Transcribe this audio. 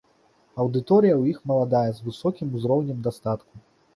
Аўдыторыя ў іх маладая з высокім узроўнем дастатку.